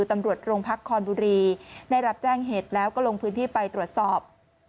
ตำรวจโรงพักคอนบุรีได้รับแจ้งเหตุแล้วก็ลงพื้นที่ไปตรวจสอบ